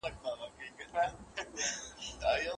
رویبار به ورسي خو جانان خبره کله مني